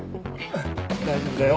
大丈夫だよ。